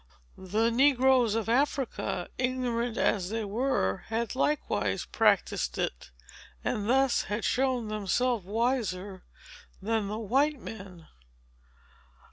The negroes of Africa, ignorant as they were, had likewise practised it, and thus had shown themselves wiser than the white men.